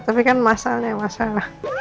tapi kan masalahnya masalah